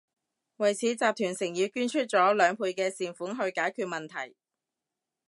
為此，集團誠意捐出咗兩倍嘅善款去解決問題